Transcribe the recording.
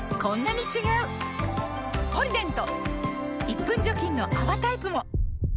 １分除菌の泡タイプも！